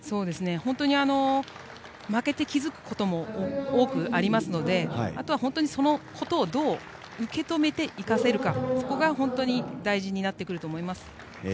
本当に負けて気付くことも多くありますのでそのことを、どう受け止めて生かせるか、そこが大事になってくると思います。